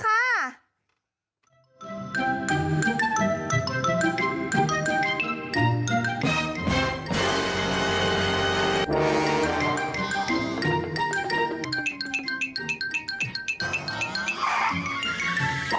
คุณธนาคุณดูไว้น่ะครับ